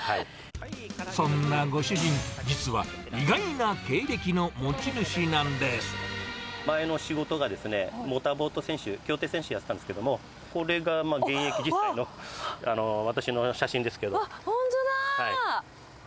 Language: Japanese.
そんなご主人、実は意外な経前の仕事がですね、モーターボート選手、競艇選手やってたんですけど、これが現役時代の私の写真ですけうわっ、本当だ。